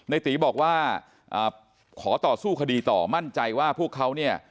ตีบอกว่าขอต่อสู้คดีต่อมั่นใจว่าพวกเขาเนี่ย